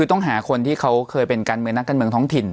ต้องหาคนที่เป็นกัญเน้นพิธรรมในแห่งท้องถิ่น